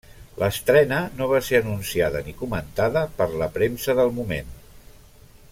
L'estrena no va ser anunciada ni comentada per la premsa del moment.